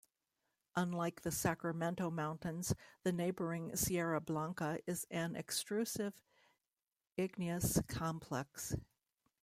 Unlike the Sacramento Mountains, the neighboring Sierra Blanca is an extrusive igneous complex.